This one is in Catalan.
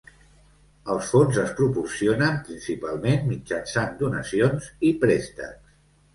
Els fons es proporcionen principalment mitjançant donacions i préstecs.